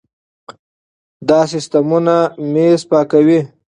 دا سیستمونه مېز پاکوي.